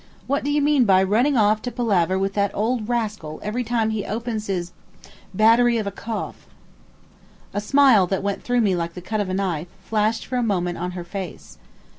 "What do you mean by running off to palaver with that old rascal every time he opens his battery of a cough?" A smile that went through me like the cut of a knife, flashed for a moment on her face.